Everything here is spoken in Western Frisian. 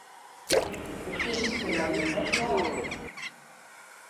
It iis kin dy noch net hâlde.